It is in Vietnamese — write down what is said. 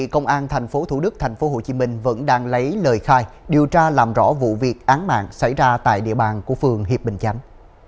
công an tp thủ đức tp hcm vẫn đang lấy lời khai điều tra làm rõ vụ việc án mạng xảy ra tại địa bàn của phường hiệp bình chánh